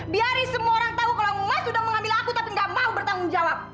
biarin semua orang tahu kalau mas udah mengambil aku tapi enggak mau bertanggung jawab